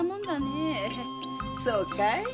そうかい？